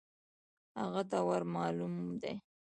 هغه ته ور مالوم دی .